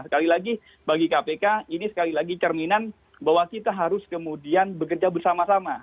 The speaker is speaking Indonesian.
sekali lagi bagi kpk ini sekali lagi cerminan bahwa kita harus kemudian bekerja bersama sama